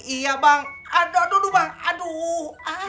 iya bang aduh aduh aduh bang aduh